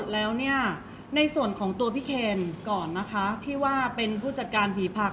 เพราะว่าสิ่งเหล่านี้มันเป็นสิ่งที่ไม่มีพยาน